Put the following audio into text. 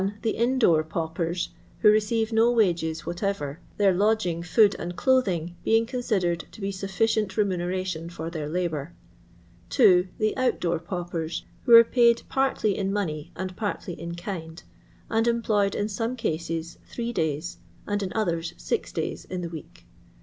The in door paupers, who receive no ^'ages whatever (their lodging, food, and clothing being considered to be sufficient remuneration for their labour). 2. The out door paupers, who are paid partly in money and partly in kind, and employed in some cases three days and in others six days in the week.